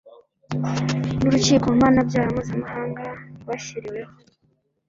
n urukiko mpanabyaha mpuzamahanga rwashyiriweho